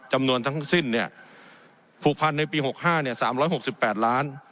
จำนวนทั้งสิ้นเนี้ยผูกพันธุ์ในปีหกห้าเนี้ยสามร้อยหกสิบแปดล้าน